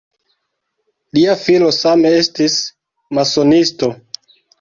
Lia filo same estis masonisto.